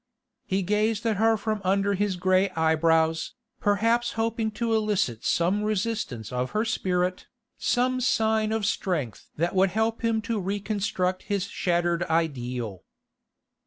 He gazed at her from under his grey eyebrows, perhaps hoping to elicit some resistance of her spirit, some sign of strength that would help him to reconstruct his shattered ideal.